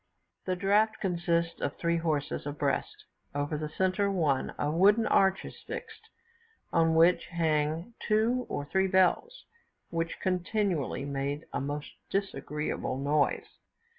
The draught consists of three horses abreast; over the centre one a wooden arch is fixed, on which hang two or three bells, which continually made a most disagreeable noise.